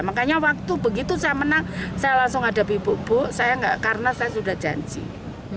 makanya waktu begitu saya menang saya langsung hadapi buk buk karena saya sudah janji